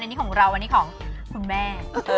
อันนี้ของเราอันนี้ของคุณแม่